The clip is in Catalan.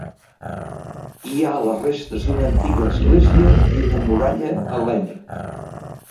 Hi ha les restes d'una antiga església i una muralla hel·lènica.